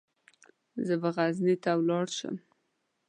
زه به غزني ته ولاړ شم.